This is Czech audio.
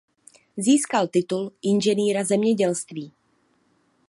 Získal titul inženýra zemědělství.